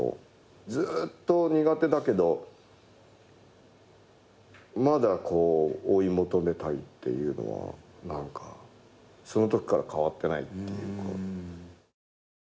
ずっと苦手だけどまだこう追い求めたいってのはそのときから変わってないっていう。